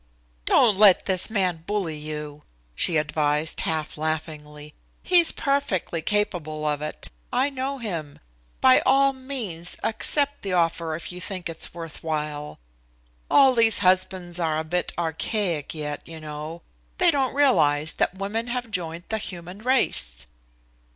"Don't let this man bully you," she advised half laughingly. "He's perfectly capable of it. I know him. By all means accept the offer if you think it's worth while. All these husbands are a bit archaic yet, you know. They don't realize that women have joined the human race."